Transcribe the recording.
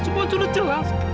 semua sudah jelas